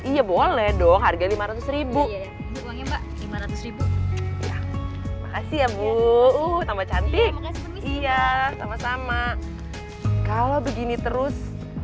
iya boleh dong harga lima ratus lima ratus makasih ya bu utama cantik iya sama sama kalau begini terus